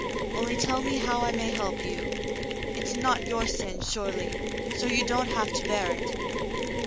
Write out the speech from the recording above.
"Only tell me how I may help you. It's not your sin, surely, so you don't have to bear it."